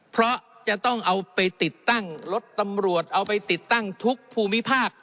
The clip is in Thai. เพราะจะต้องเอาไปติดตั้งรถตำรวจเอาไปติดตั้งทุกภูมิภาค